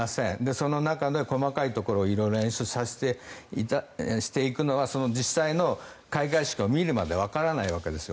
その中で細かいところを色々演出していくのはその実際の開会式を見るまでわからないわけですよ。